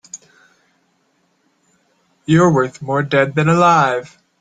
You're worth more dead than alive.